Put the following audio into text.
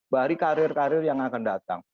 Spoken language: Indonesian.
dari karir karir yang akan datang